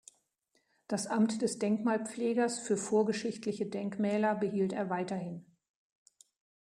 Das Amt des Denkmalpflegers für vorgeschichtliche Denkmäler behielt er weiterhin.